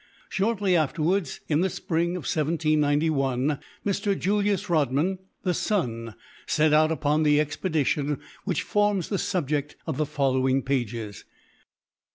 Shortly afterwards, (in the spring of 1791,) Mr. Julius Rodman, the son, set out upon the expedition which forms the subject of the following pages.